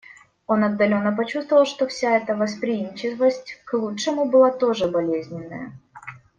Он отдаленно предчувствовал, что вся эта восприимчивость к лучшему была тоже болезненная.